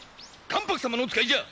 関白様のお使いじゃ！